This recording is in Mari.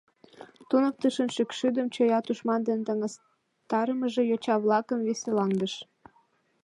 Туныктышын шӱкшудым чоя тушман дене таҥастарымыже йоча-влакым веселаҥдыш.